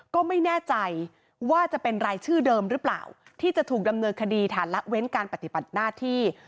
ก็ไม่แน่ใจว่าจะเป็นรายชื่อเดิมหรือเปล่าที่จะถูกดำเนินคดีฐานละเว้นการปฏิบัติหน้าที่